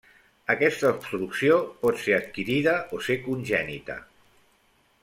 Aquesta obstrucció pot ser adquirida o ser congènita.